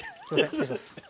失礼します。